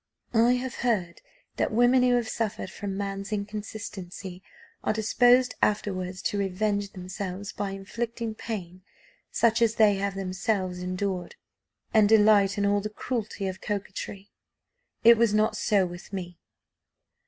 I have heard that women who have suffered from man's inconstancy are disposed afterwards to revenge themselves by inflicting pain such as they have themselves endured, and delight in all the cruelty of coquetry. It was not so with me.